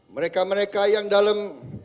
mereka mereka yang dalam